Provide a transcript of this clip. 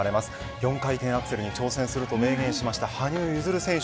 ４回転アクセルに挑戦すると明言した羽生結弦選手。